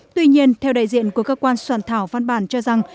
tuy nhiên theo đại diện của cơ quan soạn thảo văn bản cho rằng